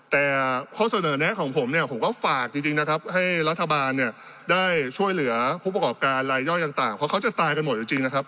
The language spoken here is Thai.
แต่ข้อเสนอแนะของผมเนี่ยผมก็ฝากจริงนะครับให้รัฐบาลเนี่ยได้ช่วยเหลือผู้ประกอบการรายย่อยต่างเพราะเขาจะตายกันหมดจริงนะครับ